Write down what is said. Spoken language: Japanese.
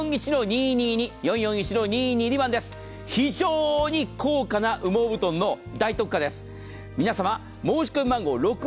非常に高価な羽毛布団の大特価です。